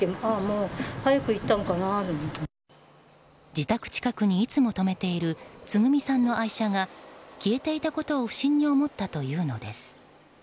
自宅近くにいつも止めているつぐみさんの愛車が消えていたことを不審に思ったというのです。